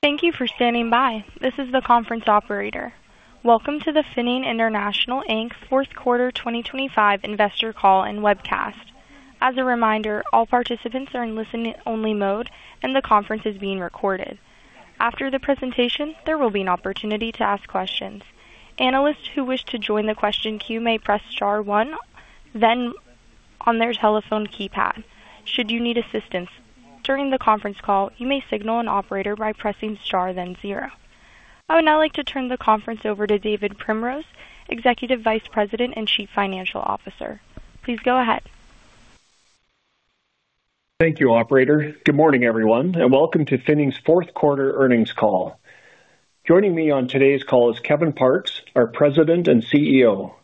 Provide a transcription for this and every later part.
Thank you for standing by. This is the conference operator. Welcome to the Finning International Inc. fourth quarter 2025 investor call and webcast. As a reminder, all participants are in listening-only mode, and the conference is being recorded. After the presentation, there will be an opportunity to ask questions. Analysts who wish to join the question queue may press star one, then on their telephone keypad. Should you need assistance during the conference call, you may signal an operator by pressing star then zero. I would now like to turn the conference over to David Primrose, Executive Vice President and Chief Financial Officer. Please go ahead. Thank you, Operator. Good morning, everyone, and welcome to Finning's fourth quarter earnings call. Joining me on today's call is Kevin Parkes, our President and CEO.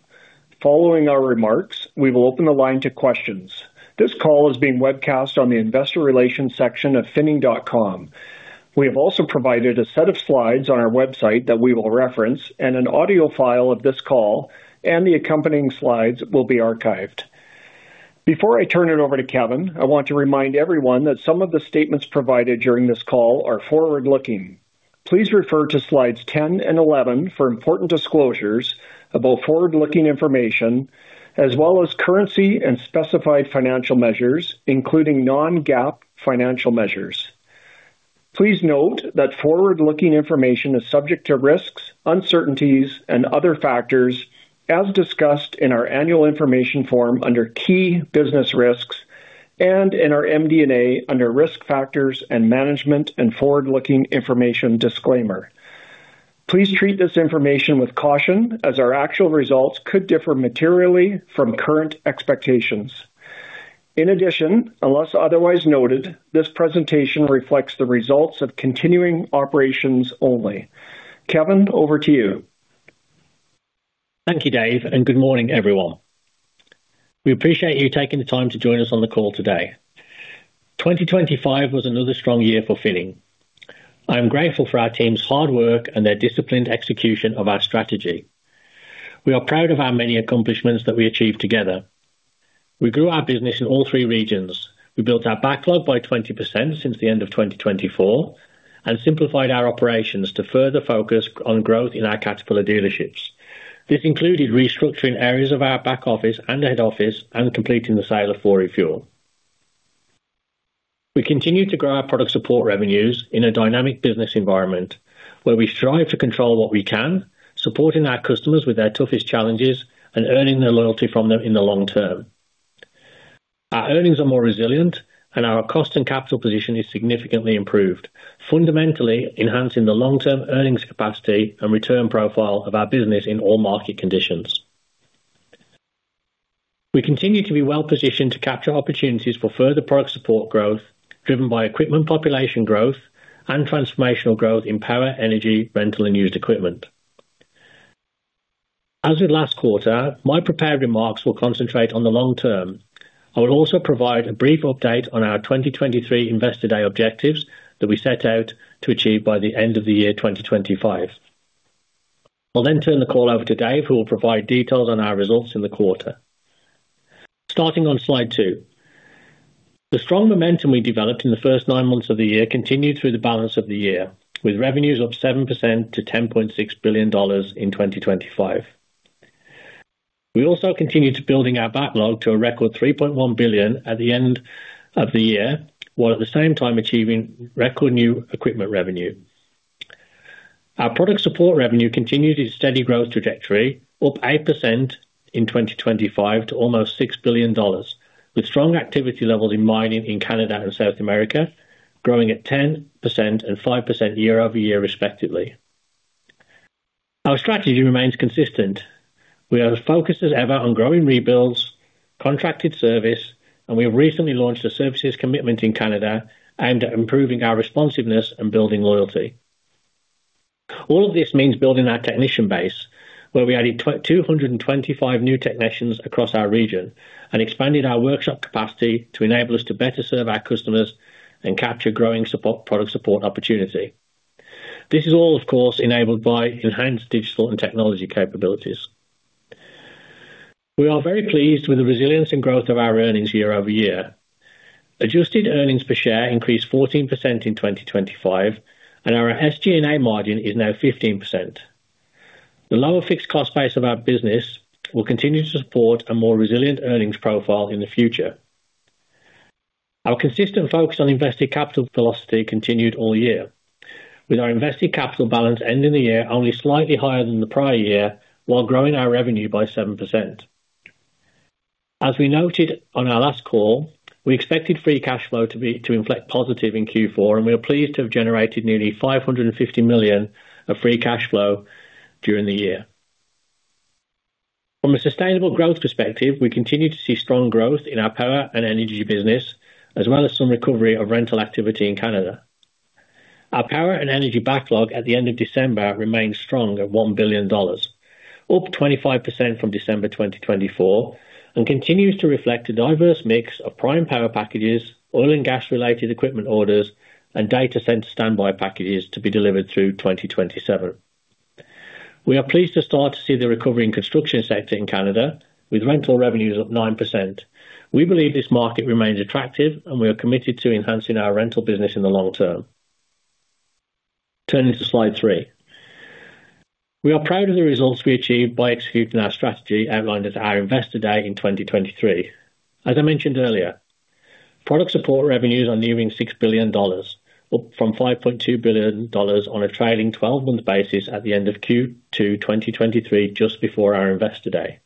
Following our remarks, we will open the line to questions. This call is being webcast on the investor relations section of finning.com. We have also provided a set of slides on our website that we will reference, and an audio file of this call and the accompanying slides will be archived. Before I turn it over to Kevin, I want to remind everyone that some of the statements provided during this call are forward-looking. Please refer to slides 10 and 11 for important disclosures about forward-looking information, as well as currency and specified financial measures, including non-GAAP financial measures. Please note that forward-looking information is subject to risks, uncertainties, and other factors as discussed in our annual information form under Key Business Risks and in our MD&A under Risk Factors and Management and Forward-Looking Information Disclaimer. Please treat this information with caution, as our actual results could differ materially from current expectations. In addition, unless otherwise noted, this presentation reflects the results of continuing operations only. Kevin, over to you. Thank you, Dave, and good morning, everyone. We appreciate you taking the time to join us on the call today. 2025 was another strong year for Finning. I am grateful for our team's hard work and their disciplined execution of our strategy. We are proud of our many accomplishments that we achieved together. We grew our business in all three regions. We built our backlog by 20% since the end of 2024 and simplified our operations to further focus on growth in our Caterpillar dealerships. This included restructuring areas of our back office and head office and completing the sale of 4Refuel. We continue to grow our product support revenues in a dynamic business environment where we strive to control what we can, supporting our customers with their toughest challenges and earning their loyalty from them in the long term. Our earnings are more resilient, and our cost and capital position is significantly improved, fundamentally enhancing the long-term earnings capacity and return profile of our business in all market conditions. We continue to be well-positioned to capture opportunities for further product support growth driven by equipment population growth and transformational growth in power, energy, rental, and used equipment. As with last quarter, my prepared remarks will concentrate on the long term. I will also provide a brief update on our 2023 Investor Day objectives that we set out to achieve by the end of the year 2025. I'll then turn the call over to Dave, who will provide details on our results in the quarter. Starting on slide two, the strong momentum we developed in the first nine months of the year continued through the balance of the year, with revenues up 7% to 10.6 billion dollars in 2025. We also continued to build our backlog to a record 3.1 billion at the end of the year, while at the same time achieving record new equipment revenue. Our product support revenue continued its steady growth trajectory, up 8% in 2025 to almost 6 billion dollars, with strong activity levels in mining in Canada and South America growing at 10% and 5% year-over-year, respectively. Our strategy remains consistent. We are as focused as ever on growing rebuilds, contracted service, and we have recently launched a services commitment in Canada aimed at improving our responsiveness and building loyalty. All of this means building our technician base, where we added 225 new technicians across our region and expanded our workshop capacity to enable us to better serve our customers and capture growing product support opportunity. This is all, of course, enabled by enhanced digital and technology capabilities. We are very pleased with the resilience and growth of our earnings year-over-year. Adjusted earnings per share increased 14% in 2025, and our SG&A margin is now 15%. The lower fixed cost base of our business will continue to support a more resilient earnings profile in the future. Our consistent focus on invested capital velocity continued all year, with our invested capital balance ending the year only slightly higher than the prior year while growing our revenue by 7%. As we noted on our last call, we expected free cash flow to inflect positive in Q4, and we are pleased to have generated nearly 550 million of free cash flow during the year. From a sustainable growth perspective, we continue to see strong growth in our power and energy business, as well as some recovery of rental activity in Canada. Our power and energy backlog at the end of December remained strong at 1 billion dollars, up 25% from December 2024, and continues to reflect a diverse mix of prime power packages, oil and gas-related equipment orders, and data center standby packages to be delivered through 2027. We are pleased to start to see the recovery in construction sector in Canada, with rental revenues up 9%. We believe this market remains attractive, and we are committed to enhancing our rental business in the long term. Turning to slide three, we are proud of the results we achieved by executing our strategy outlined at our Investor Day in 2023. As I mentioned earlier, product support revenues are nearing 6 billion dollars, up from 5.2 billion dollars on a trailing 12-month basis at the end of Q2 2023, just before our Investor Day.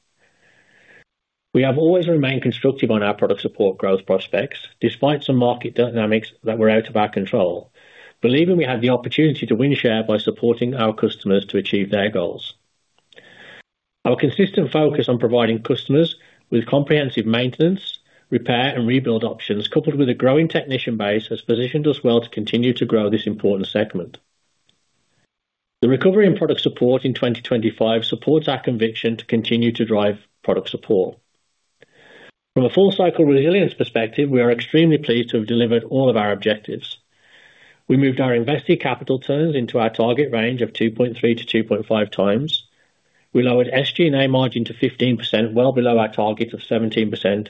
We have always remained constructive on our product support growth prospects, despite some market dynamics that were out of our control, believing we had the opportunity to win share by supporting our customers to achieve their goals. Our consistent focus on providing customers with comprehensive maintenance, repair, and rebuild options, coupled with a growing technician base, has positioned us well to continue to grow this important segment. The recovery in product support in 2025 supports our conviction to continue to drive product support. From a full-cycle resilience perspective, we are extremely pleased to have delivered all of our objectives. We moved our invested capital turns into our target range of 2.3-2.5 times. We lowered SG&A margin to 15%, well below our target of 17%,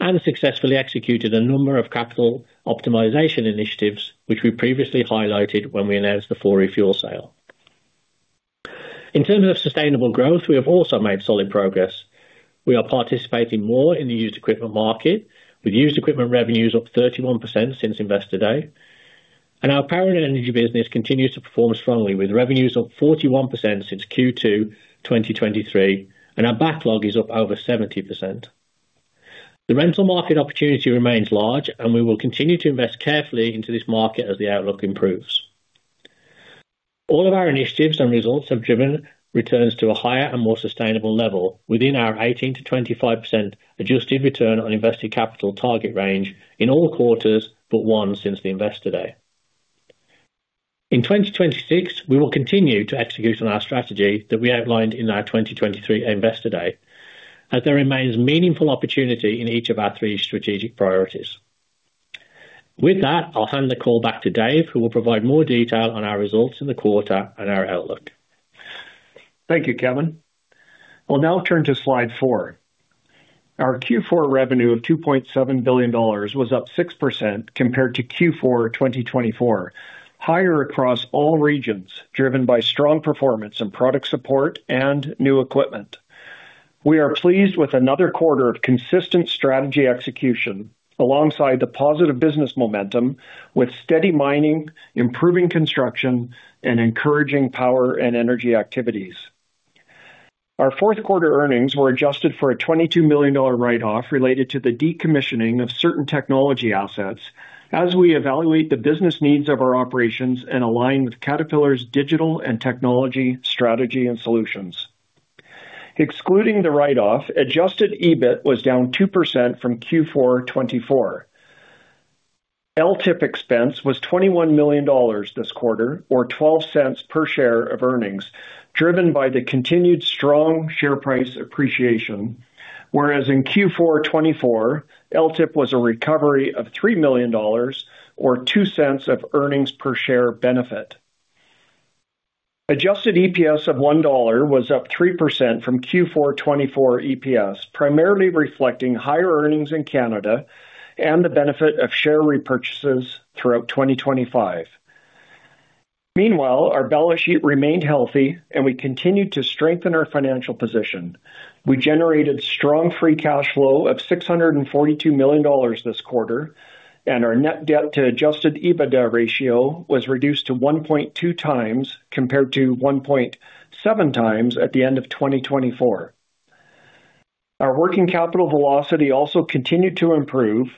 and successfully executed a number of capital optimization initiatives, which we previously highlighted when we announced the 4Refuel sale. In terms of sustainable growth, we have also made solid progress. We are participating more in the used equipment market, with used equipment revenues up 31% since Investor Day. Our power and energy business continues to perform strongly, with revenues up 41% since Q2 2023, and our backlog is up over 70%. The rental market opportunity remains large, and we will continue to invest carefully into this market as the outlook improves. All of our initiatives and results have driven returns to a higher and more sustainable level, within our 18%-25% adjusted return on invested capital target range in all quarters but one since the Investor Day. In 2026, we will continue to execute on our strategy that we outlined in our 2023 Investor Day, as there remains meaningful opportunity in each of our three strategic priorities. With that, I'll hand the call back to Dave, who will provide more detail on our results in the quarter and our outlook. Thank you, Kevin. I'll now turn to slide four. Our Q4 revenue of 2.7 billion dollars was up 6% compared to Q4 2024, higher across all regions, driven by strong performance in product support and new equipment. We are pleased with another quarter of consistent strategy execution alongside the positive business momentum, with steady mining, improving construction, and encouraging power and energy activities. Our fourth quarter earnings were adjusted for a 22 million dollar write-off related to the decommissioning of certain technology assets as we evaluate the business needs of our operations and align with Caterpillar's digital and technology strategy and solutions. Excluding the write-off, adjusted EBIT was down 2% from Q4 2024. LTIP expense was 21 million dollars this quarter, or 0.12 per share of earnings, driven by the continued strong share price appreciation, whereas in Q4 2024, LTIP was a recovery of 3 million dollars, or 0.02 of earnings per share benefit. Adjusted EPS of 1 dollar was up 3% from Q4 2024 EPS, primarily reflecting higher earnings in Canada and the benefit of share repurchases throughout 2025. Meanwhile, our balance sheet remained healthy, and we continued to strengthen our financial position. We generated strong free cash flow of 642 million dollars this quarter, and our net debt-to-adjusted EBITDA ratio was reduced to 1.2 times compared to 1.7 times at the end of 2024. Our working capital velocity also continued to improve.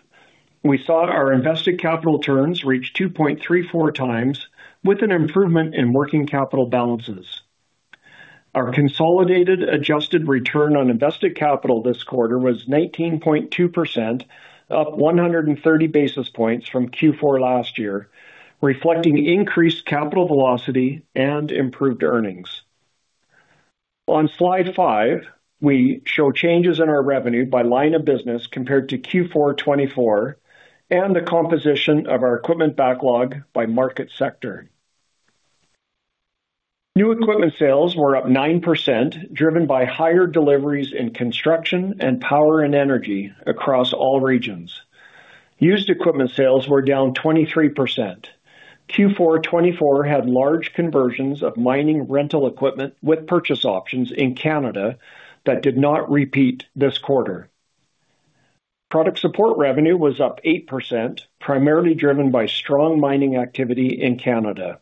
We saw our invested capital turns reach 2.34 times, with an improvement in working capital balances. Our consolidated adjusted return on invested capital this quarter was 19.2%, up 130 basis points from Q4 last year, reflecting increased capital velocity and improved earnings. On slide five, we show changes in our revenue by line of business compared to Q4 2024 and the composition of our equipment backlog by market sector. New equipment sales were up 9%, driven by higher deliveries in construction and power and energy across all regions. Used equipment sales were down 23%. Q4 2024 had large conversions of mining rental equipment with purchase options in Canada that did not repeat this quarter. Product support revenue was up 8%, primarily driven by strong mining activity in Canada.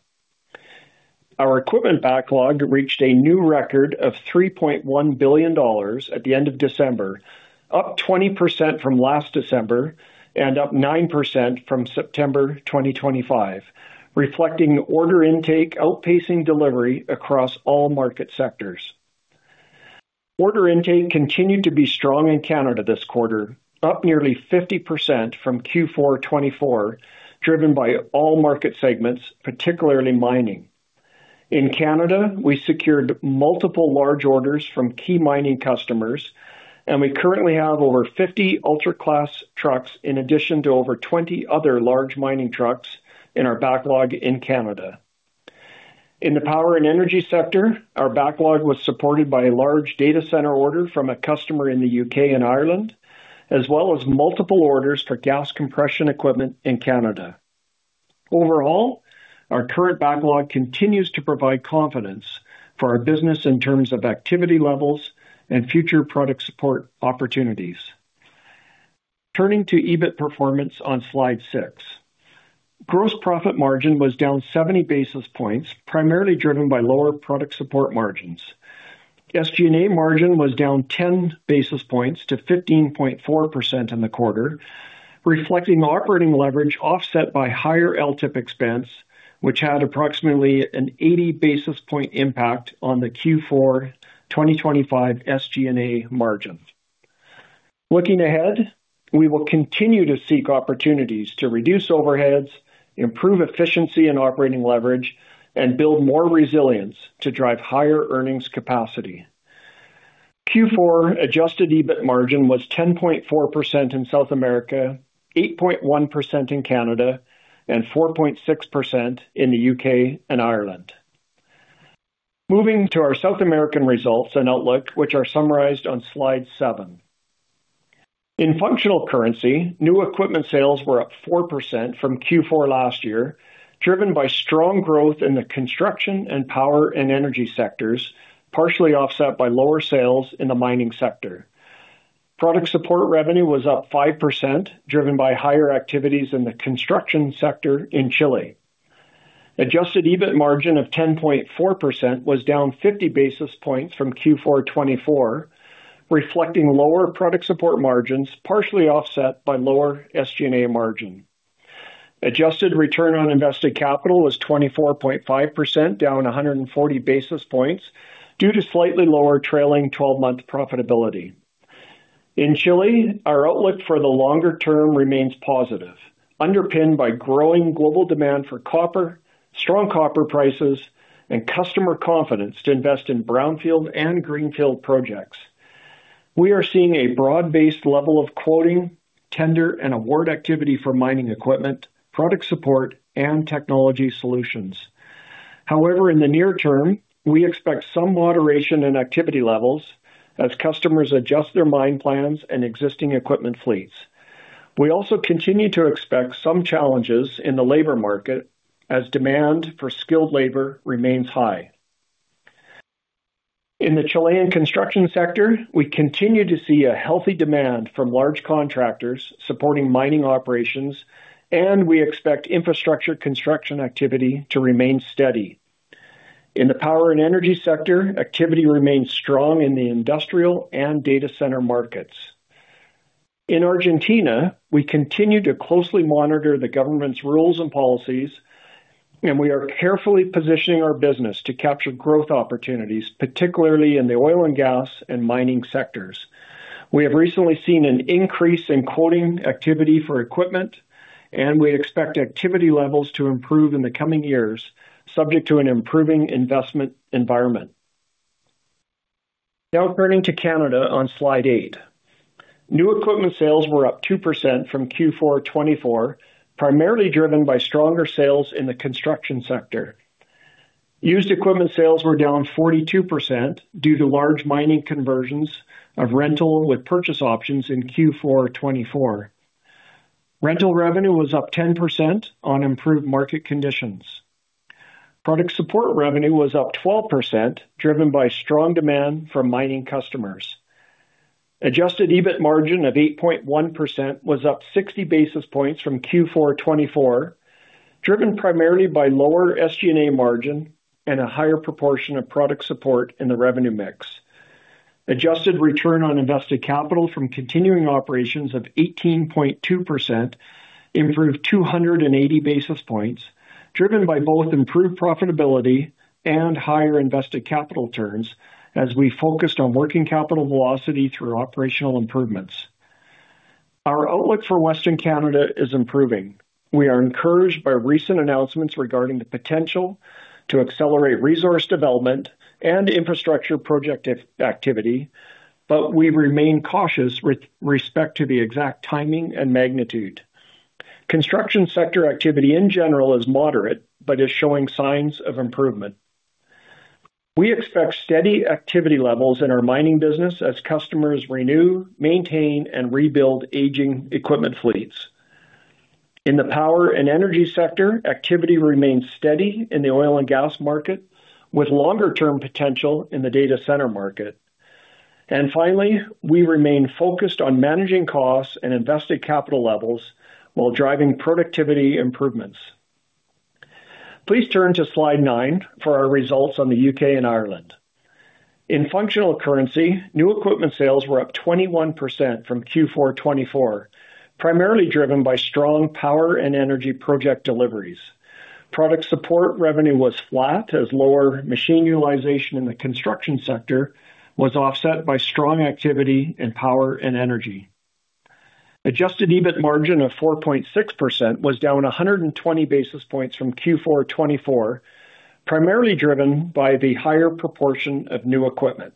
Our equipment backlog reached a new record of 3.1 billion dollars at the end of December, up 20% from last December and up 9% from September 2025, reflecting order intake outpacing delivery across all market sectors. Order intake continued to be strong in Canada this quarter, up nearly 50% from Q4 2024, driven by all market segments, particularly mining. In Canada, we secured multiple large orders from key mining customers, and we currently have over 50 ultra-class trucks in addition to over 20 other large mining trucks in our backlog in Canada. In the power and energy sector, our backlog was supported by a large data center order from a customer in the UK and Ireland, as well as multiple orders for gas compression equipment in Canada. Overall, our current backlog continues to provide confidence for our business in terms of activity levels and future product support opportunities. Turning to EBIT performance on slide six, gross profit margin was down 70 basis points, primarily driven by lower product support margins. SG&A margin was down 10 basis points to 15.4% in the quarter, reflecting operating leverage offset by higher LTIP expense, which had approximately an 80 basis point impact on the Q4 2025 SG&A margin. Looking ahead, we will continue to seek opportunities to reduce overheads, improve efficiency and operating leverage, and build more resilience to drive higher earnings capacity. Q4 adjusted EBIT margin was 10.4% in South America, 8.1% in Canada, and 4.6% in the UK and Ireland. Moving to our South American results and outlook, which are summarized on slide seven, in functional currency, new equipment sales were up 4% from Q4 last year, driven by strong growth in the construction and power and energy sectors, partially offset by lower sales in the mining sector. Product support revenue was up 5%, driven by higher activities in the construction sector in Chile. Adjusted EBIT margin of 10.4% was down 50 basis points from Q4 2024, reflecting lower product support margins, partially offset by lower SG&A margin. Adjusted return on invested capital was 24.5%, down 140 basis points due to slightly lower trailing 12-month profitability. In Chile, our outlook for the longer term remains positive, underpinned by growing global demand for copper, strong copper prices, and customer confidence to invest in brownfield and greenfield projects. We are seeing a broad-based level of quoting, tender, and award activity for mining equipment, product support, and technology solutions. However, in the near term, we expect some moderation in activity levels as customers adjust their mine plans and existing equipment fleets. We also continue to expect some challenges in the labor market as demand for skilled labor remains high. In the Chilean construction sector, we continue to see a healthy demand from large contractors supporting mining operations, and we expect infrastructure construction activity to remain steady. In the power and energy sector, activity remains strong in the industrial and data center markets. In Argentina, we continue to closely monitor the government's rules and policies, and we are carefully positioning our business to capture growth opportunities, particularly in the oil and gas and mining sectors. We have recently seen an increase in quoting activity for equipment, and we expect activity levels to improve in the coming years, subject to an improving investment environment. Now turning to Canada on slide 8, new equipment sales were up 2% from Q4 2024, primarily driven by stronger sales in the construction sector. Used equipment sales were down 42% due to large mining conversions of rental with purchase options in Q4 2024. Rental revenue was up 10% on improved market conditions. Product support revenue was up 12%, driven by strong demand from mining customers. Adjusted EBIT margin of 8.1% was up 60 basis points from Q4 2024, driven primarily by lower SG&A margin and a higher proportion of product support in the revenue mix. Adjusted return on invested capital from continuing operations of 18.2% improved 280 basis points, driven by both improved profitability and higher invested capital turns as we focused on working capital velocity through operational improvements. Our outlook for Western Canada is improving. We are encouraged by recent announcements regarding the potential to accelerate resource development and infrastructure project activity, but we remain cautious with respect to the exact timing and magnitude. Construction sector activity in general is moderate but is showing signs of improvement. We expect steady activity levels in our mining business as customers renew, maintain, and rebuild aging equipment fleets. In the power and energy sector, activity remains steady in the oil and gas market, with longer-term potential in the data center market. Finally, we remain focused on managing costs and invested capital levels while driving productivity improvements. Please turn to slide 9 for our results on the UK and Ireland. In functional currency, new equipment sales were up 21% from Q4 2024, primarily driven by strong power and energy project deliveries. Product support revenue was flat as lower machine utilization in the construction sector was offset by strong activity in power and energy. Adjusted EBIT margin of 4.6% was down 120 basis points from Q4 2024, primarily driven by the higher proportion of new equipment.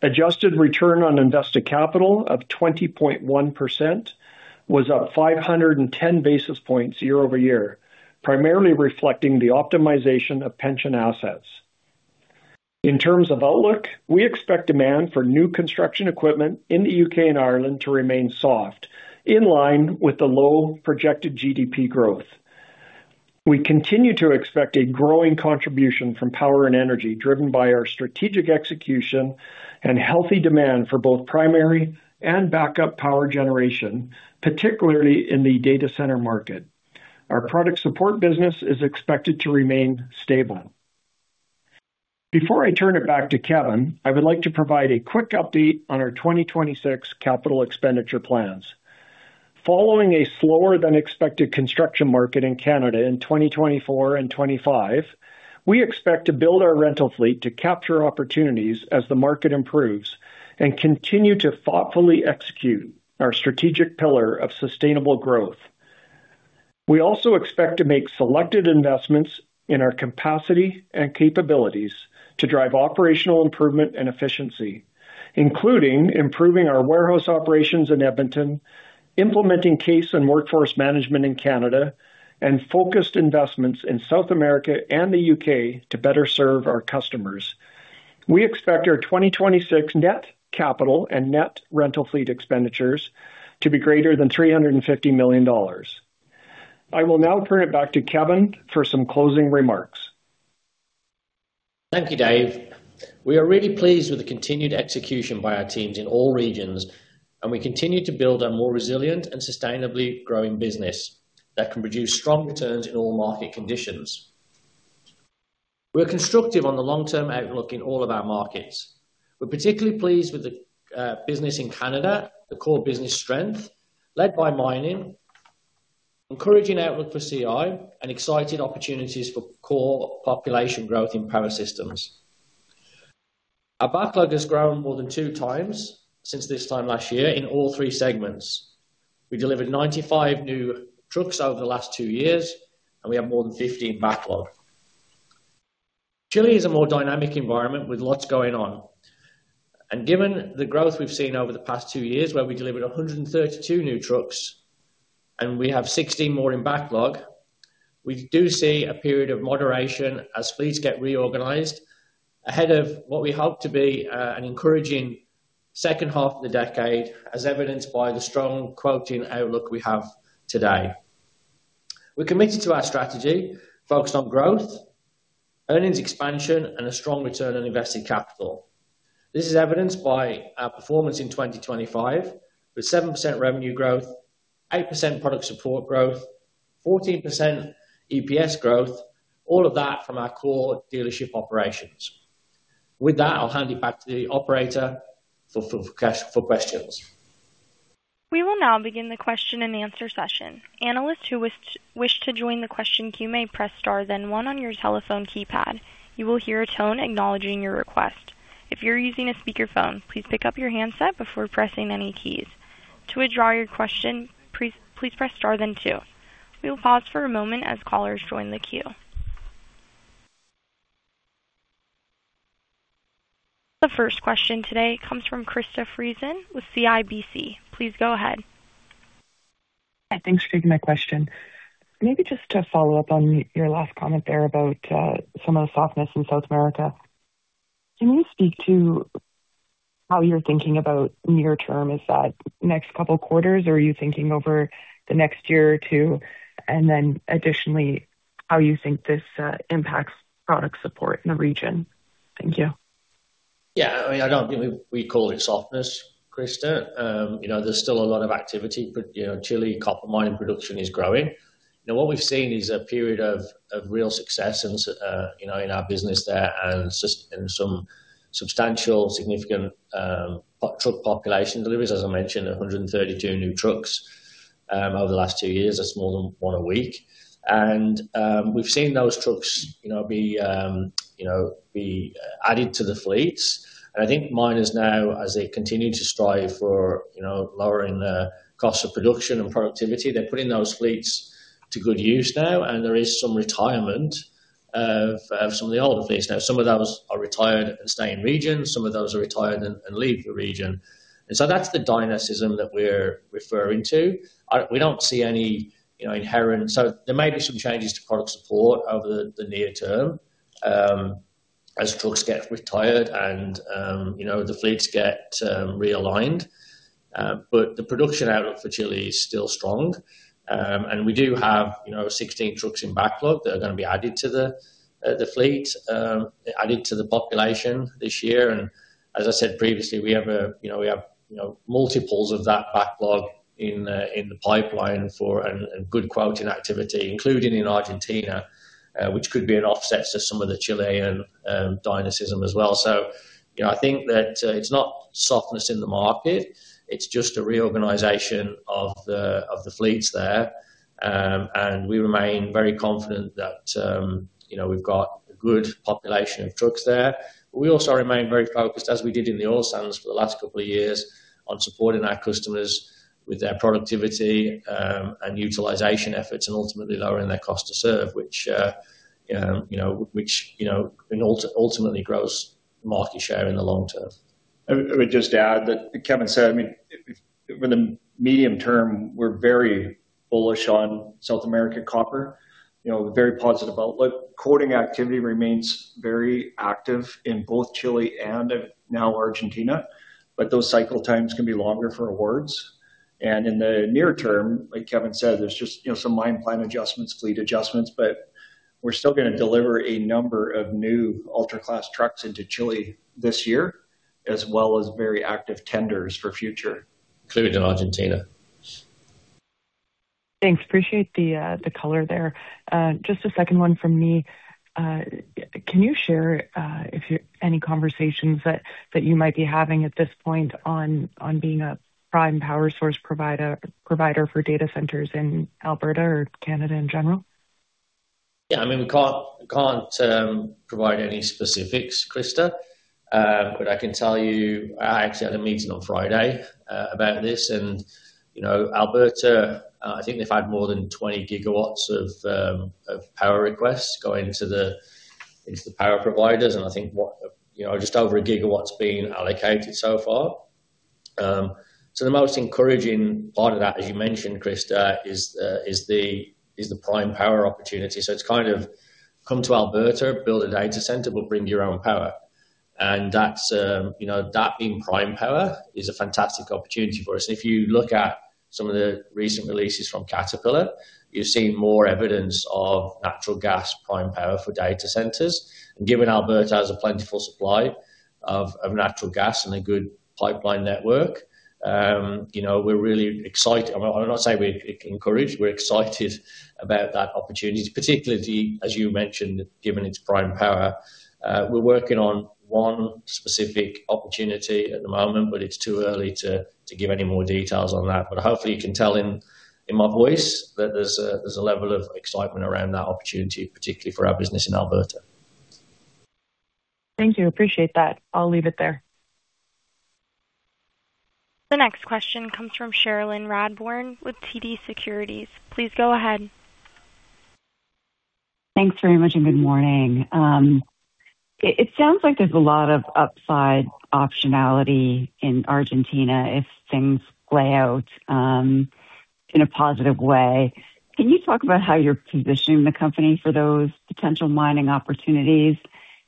Adjusted return on invested capital of 20.1% was up 510 basis points year-over-year, primarily reflecting the optimization of pension assets. In terms of outlook, we expect demand for new construction equipment in the UK and Ireland to remain soft, in line with the low projected GDP growth. We continue to expect a growing contribution from power and energy, driven by our strategic execution and healthy demand for both primary and backup power generation, particularly in the data center market. Our product support business is expected to remain stable. Before I turn it back to Kevin, I would like to provide a quick update on our 2026 capital expenditure plans. Following a slower-than-expected construction market in Canada in 2024 and 2025, we expect to build our rental fleet to capture opportunities as the market improves and continue to thoughtfully execute our strategic pillar of sustainable growth. We also expect to make selected investments in our capacity and capabilities to drive operational improvement and efficiency, including improving our warehouse operations in Edmonton, implementing case and workforce management in Canada, and focused investments in South America and the U.K. to better serve our customers. We expect our 2026 net capital and net rental fleet expenditures to be greater than 350 million dollars. I will now turn it back to Kevin for some closing remarks. Thank you, Dave. We are really pleased with the continued execution by our teams in all regions, and we continue to build a more resilient and sustainably growing business that can produce strong returns in all market conditions. We are constructive on the long-term outlook in all of our markets. We're particularly pleased with the business in Canada, the core business strength led by mining, encouraging outlook for CI, and excited opportunities for core population growth in Power Systems. Our backlog has grown more than two times since this time last year in all three segments. We delivered 95 new trucks over the last two years, and we have more than 50 in backlog. Chile is a more dynamic environment with lots going on. Given the growth we've seen over the past two years, where we delivered 132 new trucks and we have 16 more in backlog, we do see a period of moderation as fleets get reorganized ahead of what we hope to be an encouraging second half of the decade, as evidenced by the strong quoting outlook we have today. We're committed to our strategy, focused on growth, earnings expansion, and a strong return on invested capital. This is evidenced by our performance in 2025 with 7% revenue growth, 8% product support growth, 14% EPS growth, all of that from our core dealership operations. With that, I'll hand it back to the operator for questions. We will now begin the question-and-answer session. Analysts who wish to join the question queue may press star then one on your telephone keypad. You will hear a tone acknowledging your request. If you're using a speakerphone, please pick up your handset before pressing any keys. To withdraw your question, please press star then two. We will pause for a moment as callers join the queue. The first question today comes from Krista Friesen with CIBC. Please go ahead. Thanks for taking my question. Maybe just to follow up on your last comment there about some of the softness in South America. Can you speak to how you're thinking about near-term? Is that next couple of quarters, or are you thinking over the next year or two? And then additionally, how do you think this impacts product support in the region? Thank you. Yeah. I mean, we call it softness, Krista. There's still a lot of activity, but Chile, copper mining production is growing. What we've seen is a period of real success in our business there and some substantial, significant truck population deliveries, as I mentioned, 132 new trucks over the last two years. That's more than one a week. And we've seen those trucks be added to the fleets. And I think miners now, as they continue to strive for lowering the cost of production and productivity, they're putting those fleets to good use now. And there is some retirement of some of the older fleets now. Some of those are retired and stay in region. Some of those are retired and leave the region. So that's the dynamism that we're referring to. We don't see any inherent, so there may be some changes to product support over the near-term as trucks get retired and the fleets get realigned. But the production outlook for Chile is still strong. We do have 16 trucks in backlog that are going to be added to the fleet, added to the population this year. As I said previously, we have multiples of that backlog in the pipeline for good quoting activity, including in Argentina, which could be an offset to some of the Chilean dynamism as well. So I think that it's not softness in the market. It's just a reorganization of the fleets there. We remain very confident that we've got a good population of trucks there. We also remain very focused, as we did in the oil sands for the last couple of years, on supporting our customers with their productivity and utilization efforts and ultimately lowering their cost to serve, which ultimately grows market share in the long term. I would just add that Kevin said, I mean, for the medium term, we're very bullish on South American copper, very positive outlook. Quoting activity remains very active in both Chile and now Argentina, but those cycle times can be longer for awards. And in the near term, like Kevin said, there's just some mine plan adjustments, fleet adjustments, but we're still going to deliver a number of new ultra-class trucks into Chile this year, as well as very active tenders for future. Including Argentina. Thanks. Appreciate the color there. Just a second one from me. Can you share any conversations that you might be having at this point on being a prime power source provider for data centers in Alberta or Canada in general? Yeah. I mean, we can't provide any specifics, Krista. But I can tell you I actually had a meeting on Friday about this. And Alberta, I think they've had more than 20 GW of power requests going into the power providers. And I think just over 1 GW's been allocated so far. So the most encouraging part of that, as you mentioned, Krista, is the prime power opportunity. So it's kind of come to Alberta, build a data center, but bring your own power. And that being prime power is a fantastic opportunity for us. And if you look at some of the recent releases from Caterpillar, you've seen more evidence of natural gas prime power for data centers. Given Alberta has a plentiful supply of natural gas and a good pipeline network, we're really excited. I'm not saying we're encouraged. We're excited about that opportunity, particularly, as you mentioned, given its prime power. We're working on one specific opportunity at the moment, but it's too early to give any more details on that. But hopefully, you can tell in my voice that there's a level of excitement around that opportunity, particularly for our business in Alberta. Thank you. Appreciate that. I'll leave it there. The next question comes from Cherilyn Radbourne with TD Securities. Please go ahead. Thanks very much and good morning. It sounds like there's a lot of upside optionality in Argentina if things play out in a positive way. Can you talk about how you're positioning the company for those potential mining opportunities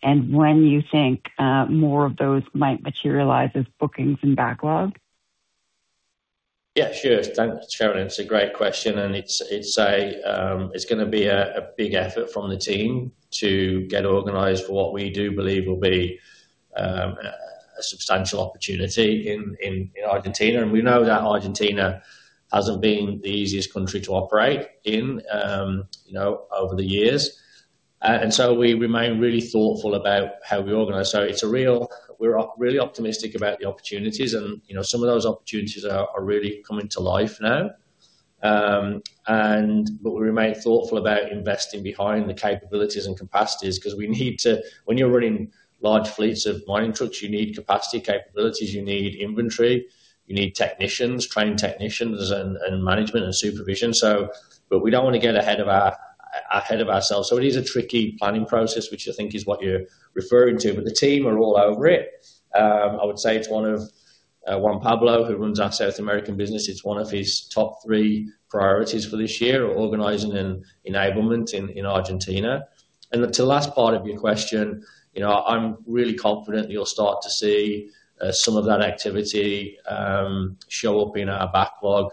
and when you think more of those might materialize as bookings and backlog? Yeah, sure. Thanks, Cherilyn. It's a great question. It's going to be a big effort from the team to get organized for what we do believe will be a substantial opportunity in Argentina. We know that Argentina hasn't been the easiest country to operate in over the years. We remain really thoughtful about how we organize. We're really optimistic about the opportunities. Some of those opportunities are really coming to life now. We remain thoughtful about investing behind the capabilities and capacities because we need to when you're running large fleets of mining trucks, you need capacity, capabilities, you need inventory, you need technicians, trained technicians, and management and supervision. But we don't want to get ahead of ourselves. So it is a tricky planning process, which I think is what you're referring to. But the team are all over it. I would say it's one of Juan Pablo, who runs our South American business, it's one of his top three priorities for this year, organising and enablement in Argentina. And to the last part of your question, I'm really confident that you'll start to see some of that activity show up in our backlog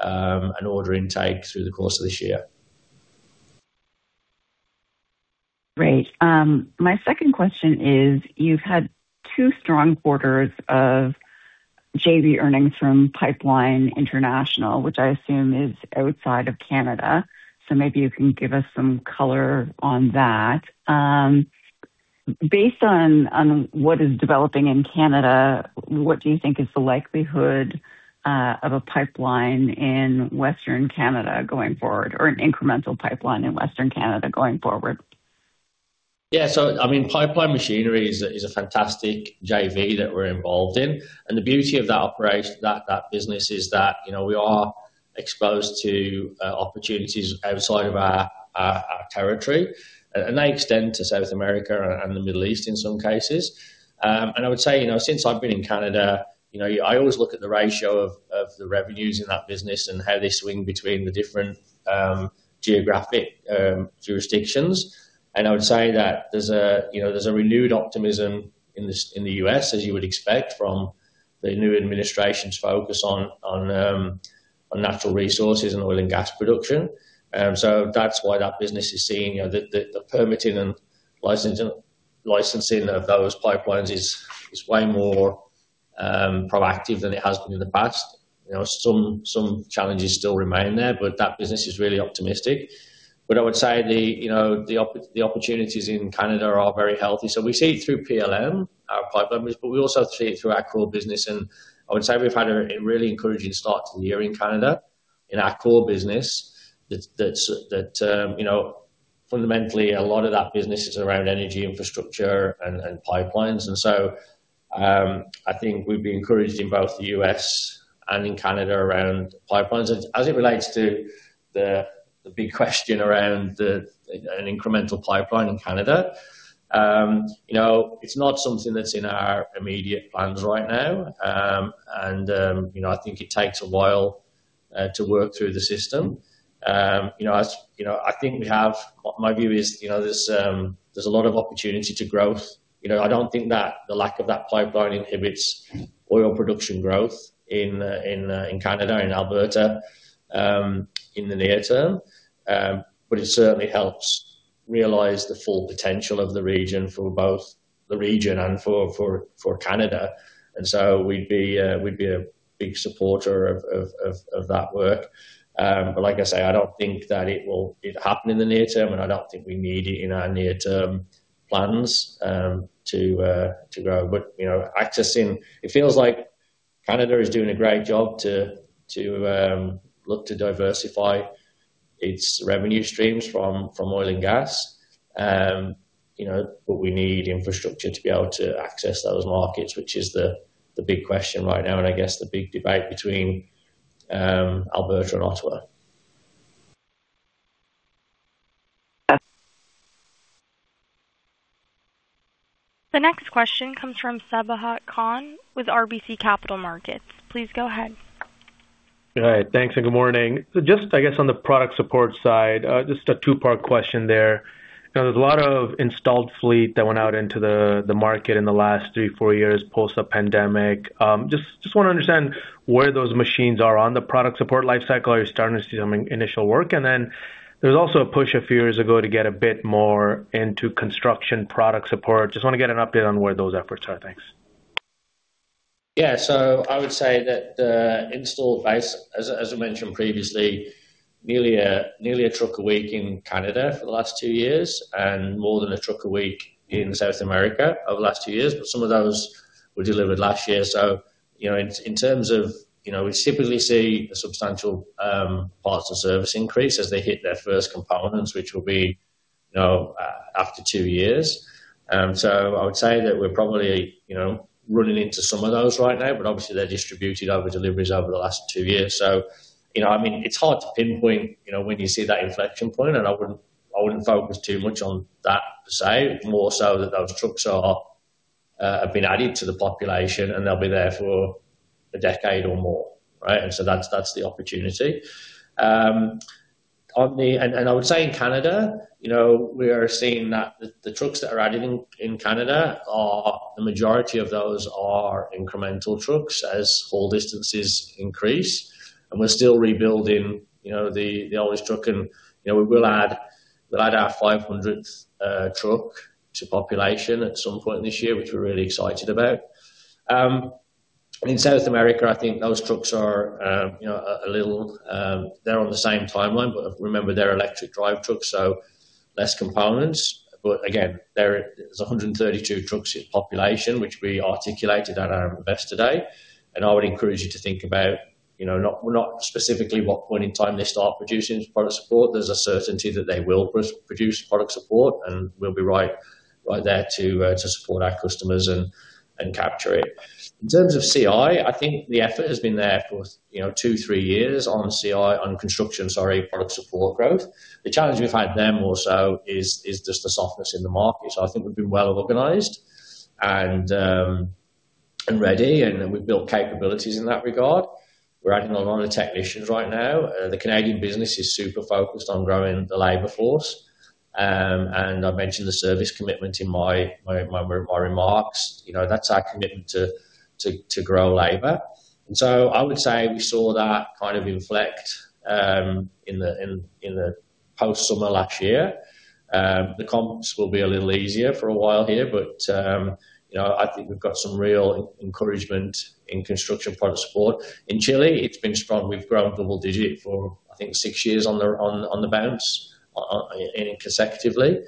and order intake through the course of this year. Great. My second question is, you've had two strong quarters of JV earnings from Pipeline International, which I assume is outside of Canada. So maybe you can give us some color on that. Based on what is developing in Canada, what do you think is the likelihood of a pipeline in Western Canada going forward, or an incremental pipeline in Western Canada going forward? Yeah. So I mean, Pipeline Machinery is a fantastic JV that we're involved in. And the beauty of that business is that we are exposed to opportunities outside of our territory. And they extend to South America and the Middle East in some cases. And I would say, since I've been in Canada, I always look at the ratio of the revenues in that business and how they swing between the different geographic jurisdictions. And I would say that there's a renewed optimism in the U.S., as you would expect, from the new administration's focus on natural resources and oil and gas production. So that's why that business is seeing the permitting and licensing of those pipelines is way more proactive than it has been in the past. Some challenges still remain there, but that business is really optimistic. But I would say the opportunities in Canada are very healthy. So we see it through PLM, our pipeline business, but we also see it through our core business. And I would say we've had a really encouraging start to the year in Canada, in our core business, that fundamentally, a lot of that business is around energy infrastructure and pipelines. And so I think we'd be encouraged in both the U.S. and in Canada around pipelines. And as it relates to the big question around an incremental pipeline in Canada, it's not something that's in our immediate plans right now. And I think it takes a while to work through the system. I think we have my view is there's a lot of opportunity to growth. I don't think that the lack of that pipeline inhibits oil production growth in Canada, in Alberta, in the near term. But it certainly helps realize the full potential of the region for both the region and for Canada. And so we'd be a big supporter of that work. But like I say, I don't think that it will happen in the near term, and I don't think we need it in our near-term plans to grow. But it feels like Canada is doing a great job to look to diversify its revenue streams from oil and gas. But we need infrastructure to be able to access those markets, which is the big question right now, and I guess the big debate between Alberta and Ottawa. The next question comes from Sabahat Khan with RBC Capital Markets. Please go ahead. All right. Thanks and good morning. Just, I guess, on the product support side, just a two-part question there. There's a lot of installed fleet that went out into the market in the last three, four years, post the pandemic. Just want to understand where those machines are on the product support lifecycle. Are you starting to see some initial work? And then there was also a push a few years ago to get a bit more into construction product support. Just want to get an update on where those efforts are. Thanks. Yeah. So I would say that the installed base, as I mentioned previously, nearly a truck a week in Canada for the last two years, and more than a truck a week in South America over the last two years. But some of those were delivered last year. So in terms of we typically see a substantial parts of service increase as they hit their first components, which will be after two years. So I would say that we're probably running into some of those right now, but obviously, they're distributed over deliveries over the last two years. So I mean, it's hard to pinpoint when you see that inflection point. And I wouldn't focus too much on that per se, more so that those trucks have been added to the population, and they'll be there for a decade or more, right? And so that's the opportunity. And I would say in Canada, we are seeing that the trucks that are added in Canada, the majority of those are incremental trucks as haul distances increase. And we're still rebuilding the oldest truck. We will add our 500th truck to population at some point this year, which we're really excited about. In South America, I think those trucks are a little they're on the same timeline, but remember, they're electric drive trucks, so less components. But again, there's 132 trucks in population, which we articulated at our Investor Day. I would encourage you to think about not specifically what point in time they start producing product support. There's a certainty that they will produce product support, and we'll be right there to support our customers and capture it. In terms of CI, I think the effort has been there for two, three years on CI, on construction, sorry, product support growth. The challenge we've had then more so is just the softness in the market. I think we've been well organized and ready, and we've built capabilities in that regard. We're adding a lot of technicians right now. The Canadian business is super focused on growing the labor force. I mentioned the service commitment in my remarks. That's our commitment to grow labor. So I would say we saw that kind of inflect in the post-summer last year. The comps will be a little easier for a while here, but I think we've got some real encouragement in construction product support. In Chile, it's been strong. We've grown double-digit for, I think, six years on the bounce consecutively.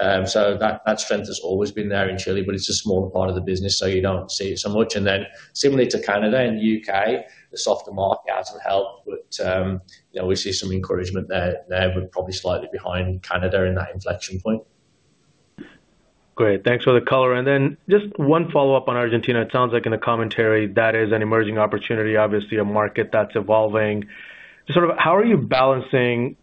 So that strength has always been there in Chile, but it's a smaller part of the business, so you don't see it so much. Then similarly to Canada and the UK, the softer market hasn't helped, but we see some encouragement there, but probably slightly behind Canada in that inflection point. Great. Thanks for the color. And then just one follow-up on Argentina. It sounds like in the commentary, that is an emerging opportunity, obviously, a market that's evolving. Sort of how are you balancing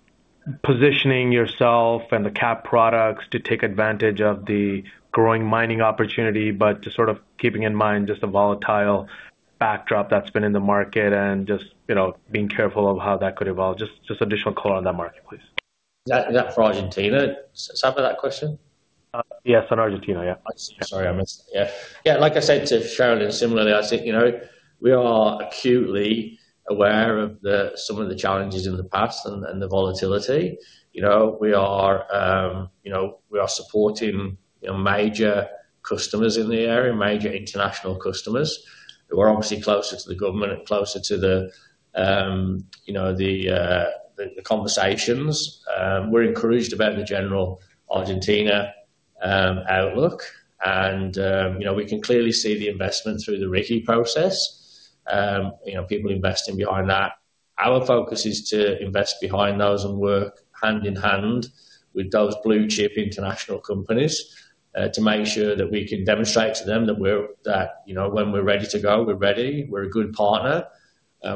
positioning yourself and the Cat products to take advantage of the growing mining opportunity, but just sort of keeping in mind just a volatile backdrop that's been in the market and just being careful of how that could evolve? Just additional color on that market, please. Is that for Argentina? Is that for that question? Yes, on Argentina, yeah. Sorry, I missed that. Yeah. Yeah. Like I said to Cherilyn, similarly, I think we are acutely aware of some of the challenges in the past and the volatility. We are supporting major customers in the area, major international customers. We're obviously closer to the government and closer to the conversations. We're encouraged about the general Argentina outlook. We can clearly see the investment through the RIGI process, people investing behind that. Our focus is to invest behind those and work hand-in-hand with those blue-chip international companies to make sure that we can demonstrate to them that when we're ready to go, we're ready, we're a good partner,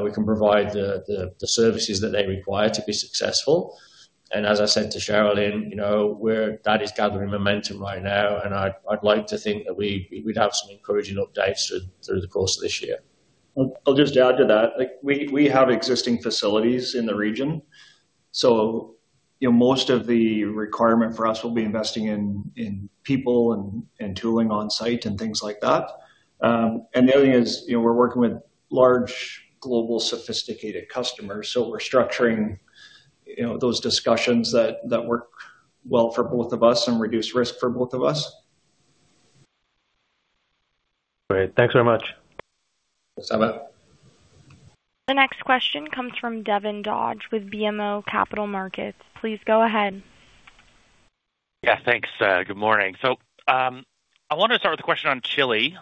we can provide the services that they require to be successful. And as I said to Cherilyn, that is gathering momentum right now. And I'd like to think that we'd have some encouraging updates through the course of this year. I'll just add to that. We have existing facilities in the region. So most of the requirement for us will be investing in people and tooling on-site and things like that. And the other thing is we're working with large, global, sophisticated customers. So we're structuring those discussions that work well for both of us and reduce risk for both of us. Great. Thanks very much. Thanks, Saba. The next question comes from Devin Dodge with BMO Capital Markets. Please go ahead. Yeah. Thanks. Good morning. So I want to start with a question on Chile.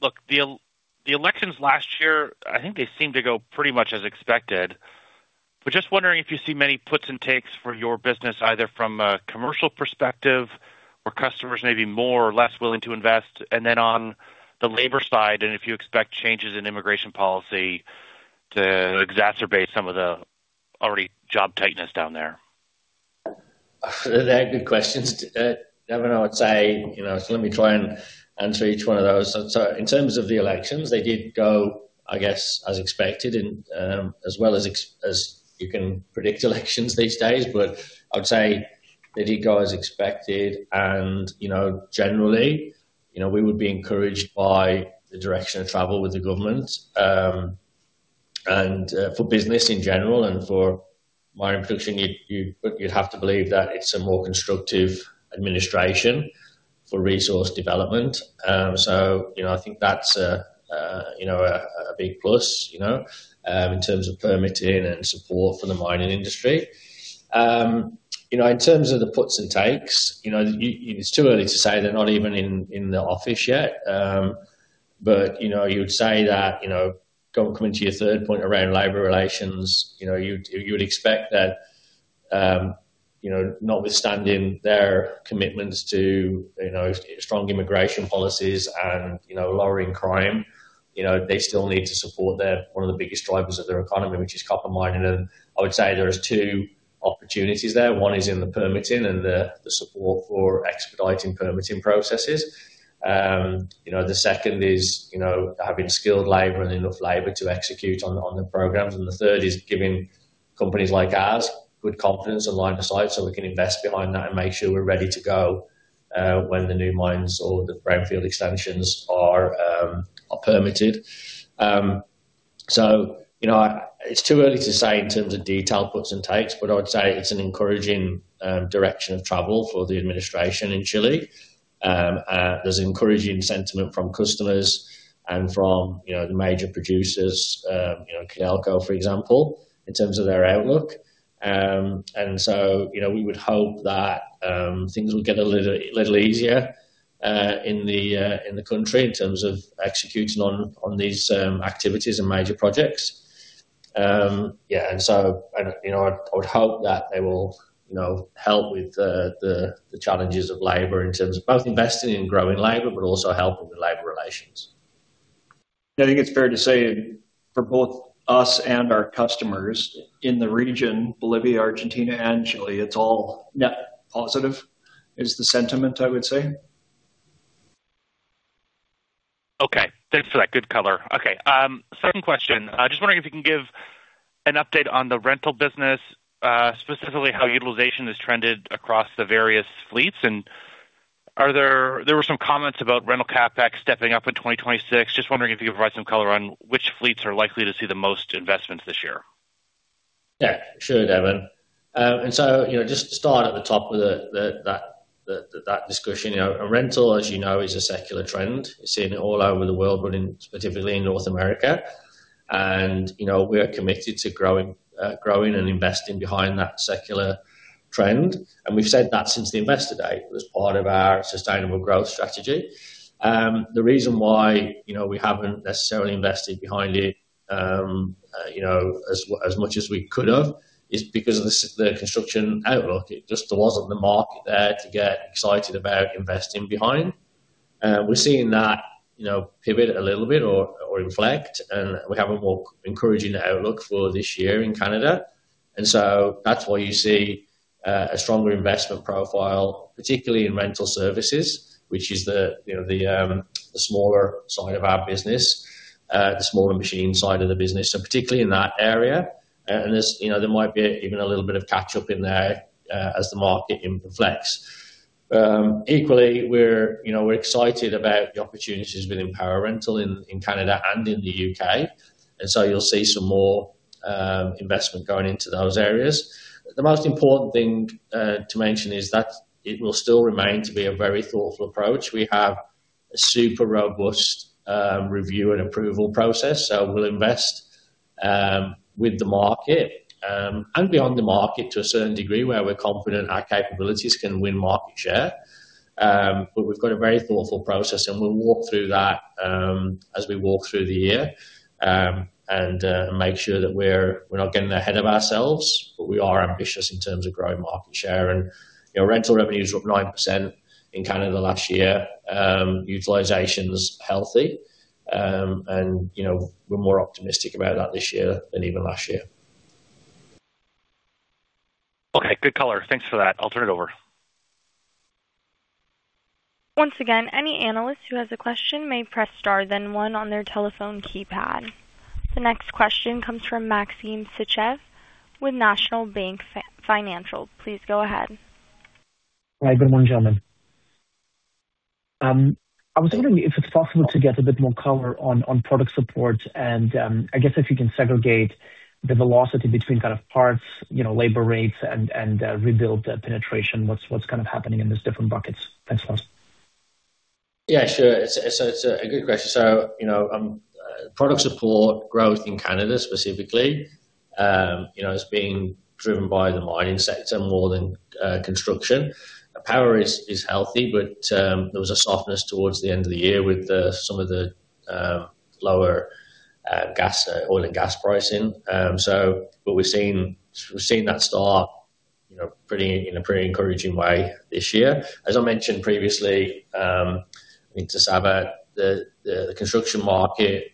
Look, the elections last year, I think they seemed to go pretty much as expected. But just wondering if you see many puts and takes for your business, either from a commercial perspective where customers may be more or less willing to invest, and then on the labor side, and if you expect changes in immigration policy to exacerbate some of the already job tightness down there. They're good questions. I don't know. Let me try and answer each one of those. In terms of the elections, they did go, I guess, as expected, as well as you can predict elections these days. But I would say they did go as expected. And generally, we would be encouraged by the direction of travel with the government for business in general. And for mining production, you'd have to believe that it's a more constructive administration for resource development. So I think that's a big plus in terms of permitting and support for the mining industry. In terms of the puts and takes, it's too early to say. They're not even in the office yet. But you'd say that coming to your third point around labour relations, you would expect that notwithstanding their commitments to strong immigration policies and lowering crime, they still need to support one of the biggest drivers of their economy, which is copper mining. I would say there are two opportunities there. One is in the permitting and the support for expediting permitting processes. The second is having skilled labor and enough labor to execute on their programs. And the third is giving companies like ours good confidence and line of sight so we can invest behind that and make sure we're ready to go when the new mines or the brownfield extensions are permitted. So it's too early to say in terms of detailed puts and takes, but I would say it's an encouraging direction of travel for the administration in Chile. There's encouraging sentiment from customers and from the major producers, Codelco, for example, in terms of their outlook. And so we would hope that things will get a little easier in the country in terms of executing on these activities and major projects. Yeah. I would hope that they will help with the challenges of labor in terms of both investing in growing labor, but also helping with labor relations. I think it's fair to say for both us and our customers in the region, Bolivia, Argentina, and Chile, it's all net positive is the sentiment, I would say. Okay. Thanks for that. Good color. Okay. Second question. Just wondering if you can give an update on the rental business, specifically how utilization has trended across the various fleets. And there were some comments about rental CapEx stepping up in 2026. Just wondering if you could provide some color on which fleets are likely to see the most investments this year. Yeah. Sure, Devin. And so just to start at the top with that discussion, rental, as you know, is a secular trend. You're seeing it all over the world, but specifically in North America. We are committed to growing and investing behind that secular trend. We've said that since the Investor Day as part of our sustainable growth strategy. The reason why we haven't necessarily invested behind it as much as we could have is because of the construction outlook. It just wasn't the market there to get excited about investing behind. We're seeing that pivot a little bit or inflect, and we have a more encouraging outlook for this year in Canada. So that's why you see a stronger investment profile, particularly in rental services, which is the smaller side of our business, the smaller machine side of the business, so particularly in that area. There might be even a little bit of catch-up in there as the market inflects. Equally, we're excited about the opportunities with power rental in Canada and in the UK. So you'll see some more investment going into those areas. The most important thing to mention is that it will still remain to be a very thoughtful approach. We have a super robust review and approval process. So we'll invest with the market and beyond the market to a certain degree where we're confident our capabilities can win market share. But we've got a very thoughtful process, and we'll walk through that as we walk through the year and make sure that we're not getting ahead of ourselves, but we are ambitious in terms of growing market share. And rental revenues were up 9% in Canada last year. Utilization's healthy, and we're more optimistic about that this year than even last year. Okay. Good color. Thanks for that. I'll turn it over. Once again, any analyst who has a question may press star then one on their telephone keypad. The next question comes from Maxim Sytchev with National Bank Financial. Please go ahead. Hi. Good morning, gentlemen. I was wondering if it's possible to get a bit more color on product support, and I guess if you can segregate the velocity between kind of parts, labor rates, and rebuild penetration, what's kind of happening in these different buckets. Thanks, Lance. Yeah. Sure. So it's a good question. So product support, growth in Canada specifically, is being driven by the mining sector more than construction. Power is healthy, but there was a softness towards the end of the year with some of the lower oil and gas pricing. But we've seen that start in a pretty encouraging way this year. As I mentioned previously, I mean, to Saba, the construction market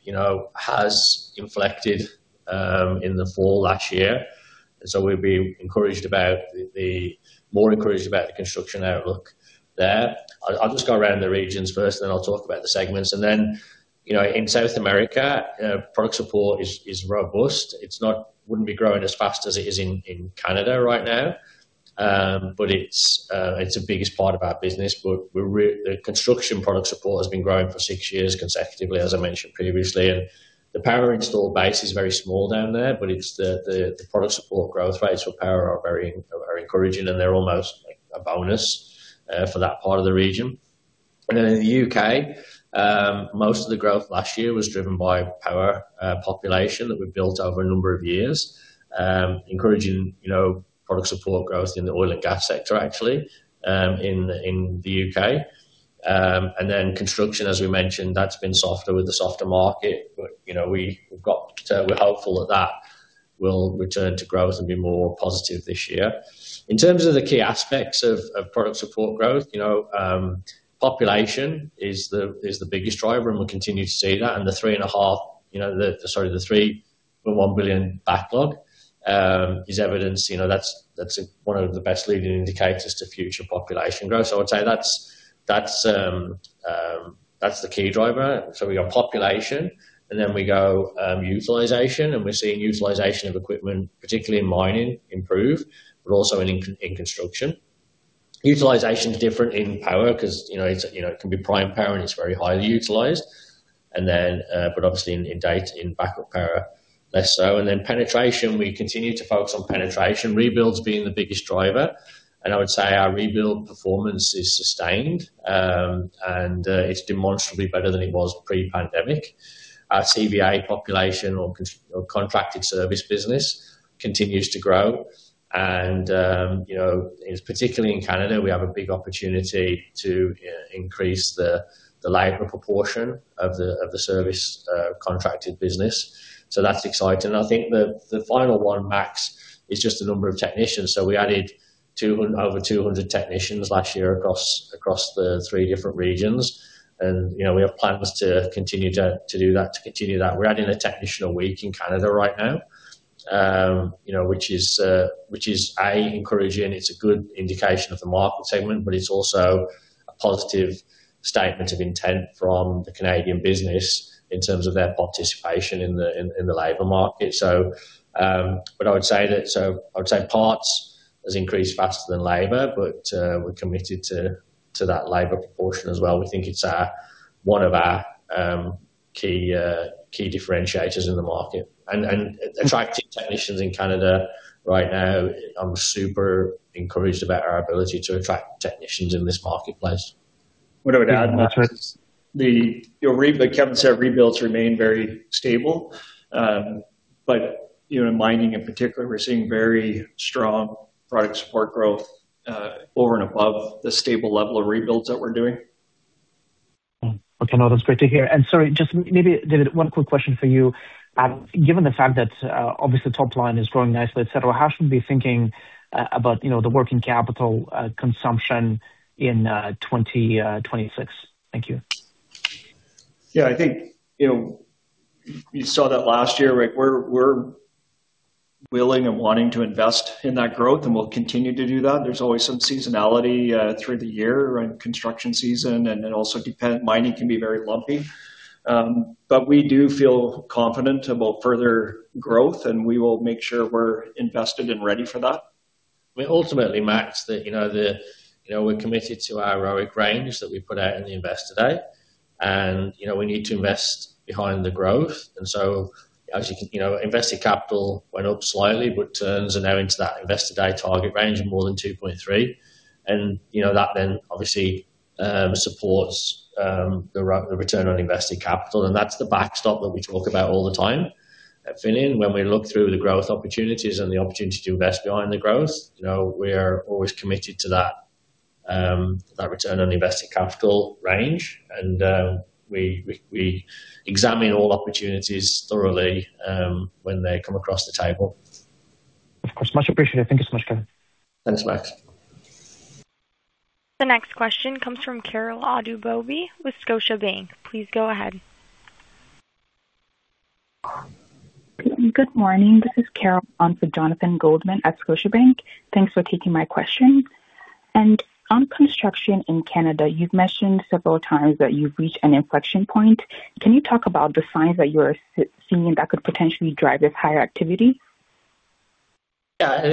has inflected in the fall last year. And so we'd be more encouraged about the construction outlook there. I'll just go around the regions first, and then I'll talk about the segments. And then in South America, product support is robust. It wouldn't be growing as fast as it is in Canada right now, but it's the biggest part of our business. But the construction product support has been growing for six years consecutively, as I mentioned previously. And the power install base is very small down there, but the product support growth rates for power are encouraging, and they're almost a bonus for that part of the region. Then in the U.K., most of the growth last year was driven by power population that we've built over a number of years, encouraging product support growth in the oil and gas sector, actually, in the U.K. And then construction, as we mentioned, that's been softer with the softer market. But we're hopeful that that will return to growth and be more positive this year. In terms of the key aspects of product support growth, population is the biggest driver, and we continue to see that. And the 3.5 sorry, the 3.1 billion backlog is evidence. That's one of the best leading indicators to future population growth. So I would say that's the key driver. So we got population, and then we go utilization, and we're seeing utilization of equipment, particularly in mining, improve, but also in construction. Utilization's different in power because it can be prime power, and it's very highly utilized. But obviously, in backup power, less so. Penetration, we continue to focus on penetration. Rebuild's being the biggest driver. Our rebuild performance is sustained, and it's demonstrably better than it was pre-pandemic. Our CVA population, or contracted service business, continues to grow. Particularly in Canada, we have a big opportunity to increase the labor proportion of the service contracted business. That's exciting. The final one, Max, is just the number of technicians. We added over 200 technicians last year across the three different regions. We have plans to continue to do that, to continue that. We're adding a technician a week in Canada right now, which is, A, encouraging. It's a good indication of the market segment, but it's also a positive statement of intent from the Canadian business in terms of their participation in the labor market. But I would say that parts has increased faster than labor, but we're committed to that labor proportion as well. We think it's one of our key differentiators in the market. And attracting technicians in Canada right now, I'm super encouraged about our ability to attract technicians in this marketplace. What I would add, Max, is your rebuilds remain very stable. But in mining in particular, we're seeing very strong product support growth over and above the stable level of rebuilds that we're doing. Okay. No, that's great to hear. And sorry, just maybe, David, one quick question for you. Given the fact that obviously, top line is growing nicely, etc., how should we be thinking about the working capital consumption in 2026? Thank you. Yeah. I think you saw that last year, right? We're willing and wanting to invest in that growth, and we'll continue to do that. There's always some seasonality through the year around construction season, and also mining can be very lumpy. But we do feel confident about further growth, and we will make sure we're invested and ready for that. Well, ultimately, Max, that we're committed to our ROIC range that we put out in the Investor Day. And we need to invest behind the growth. And so, as you can invested capital went up slightly, but turns are now into that Investor Day target range of more than 2.3. And that then obviously supports the return on invested capital. That's the backstop that we talk about all the time at Finning. When we look through the growth opportunities and the opportunity to invest behind the growth, we are always committed to that return on invested capital range. And we examine all opportunities thoroughly when they come across the table. Of course. Much appreciated. Thank you so much, Kevin. Thanks, Max. The next question comes from Konrad Aubé with Scotiabank. Please go ahead. Good morning. This is Konrad on for Jonathan Goldman at Scotiabank. Thanks for taking my question. On construction in Canada, you've mentioned several times that you've reached an inflection point. Can you talk about the signs that you're seeing that could potentially drive this higher activity? Yeah. I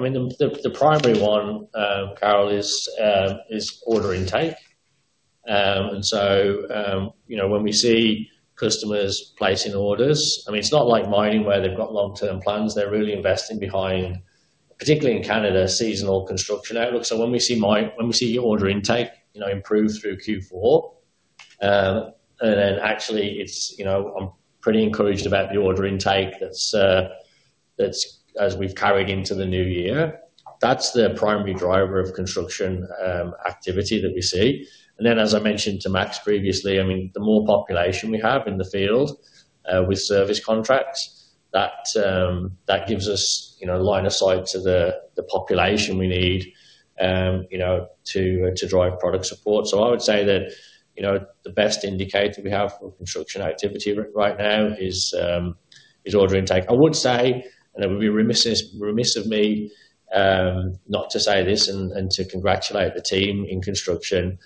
mean, the primary one, Konrad, is order intake. And so when we see customers placing orders, I mean, it's not like mining where they've got long-term plans. They're really investing behind, particularly in Canada, seasonal construction outlook. So when we see your order intake improve through Q4, and then actually, I'm pretty encouraged about the order intake that's, as we've carried into the new year. That's the primary driver of construction activity that we see. And then, as I mentioned to Max previously, I mean, the more population we have in the field with service contracts, that gives us line of sight to the population we need to drive product support. So I would say that the best indicator we have for construction activity right now is order intake. I would say, and it would be remiss of me not to say this and to congratulate the team in construction,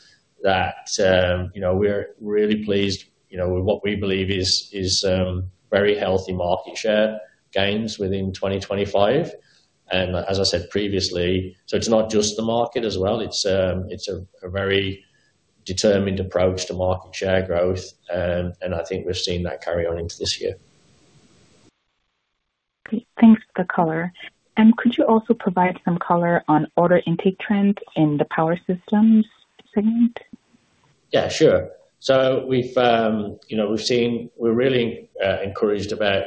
that we're really pleased with what we believe is very healthy market share gains within 2025. And as I said previously, so it's not just the market as well. It's a very determined approach to market share growth. And I think we've seen that carry on into this year. Great. Thanks for the color. And could you also provide some color on order intake trends in the Power Systems segment? Yeah. Sure. So we've seen we're really encouraged about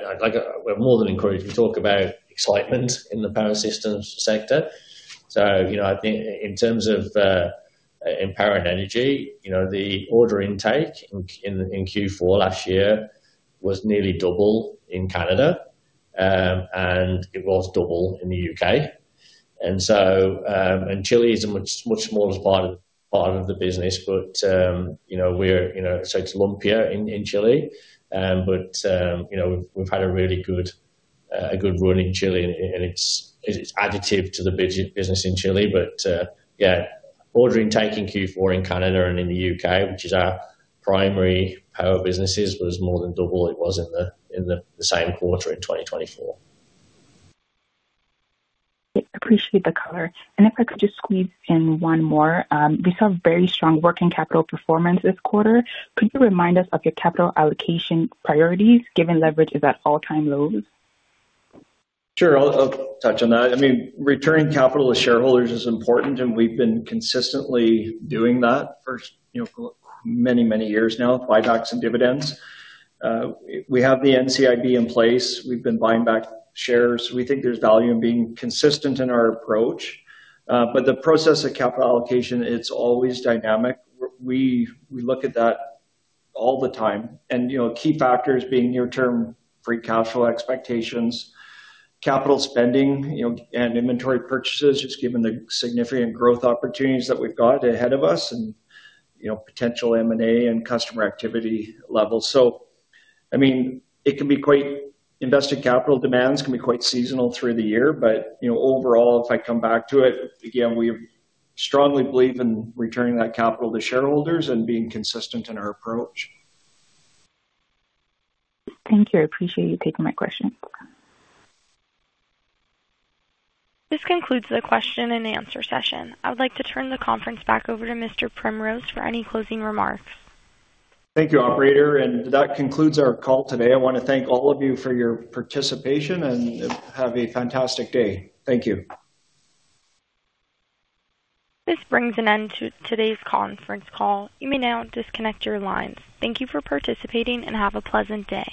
we're more than encouraged. We talk about excitement in the Power Systems sector. So I think in terms of power and energy, the order intake in Q4 last year was nearly double in Canada, and it was double in the U.K. Chile is a much smaller part of the business, but we're so it's lumpier in Chile. But we've had a really good run in Chile, and it's additive to the business in Chile. But yeah, order intake in Q4 in Canada and in the UK, which is our primary power businesses, was more than double it was in the same quarter in 2024. Great. Appreciate the color. And if I could just squeeze in one more, we saw very strong working capital performance this quarter. Could you remind us of your capital allocation priorities given leverage is at all-time lows? Sure. I'll touch on that. I mean, returning capital to shareholders is important, and we've been consistently doing that for many, many years now with buybacks and dividends. We have the NCIB in place. We've been buying back shares. We think there's value in being consistent in our approach. But the process of capital allocation, it's always dynamic. We look at that all the time. And key factors being near-term free cash flow expectations, capital spending, and inventory purchases, just given the significant growth opportunities that we've got ahead of us and potential M&A and customer activity levels. So I mean, it can be quite invested capital demands can be quite seasonal through the year. But overall, if I come back to it, again, we strongly believe in returning that capital to shareholders and being consistent in our approach. Thank you. I appreciate you taking my questions. This concludes the question and answer session. I would like to turn the conference back over to Mr. Primrose for any closing remarks. Thank you, operator. And that concludes our call today. I want to thank all of you for your participation and have a fantastic day. Thank you. This brings an end to today's conference call. You may now disconnect your lines. Thank you for participating, and have a pleasant day.